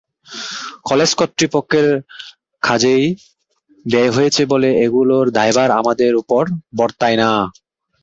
College কর্তৃপক্ষের কাজেই ব্যয় হয়েছে বলে এগুলোর দায়ভার আমাদের ওপর বর্তায় না।